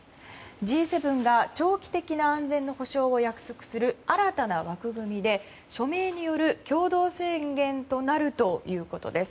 Ｇ７が長期的な安全の保障を約束する新たな枠組みで署名による共同宣言になるということです。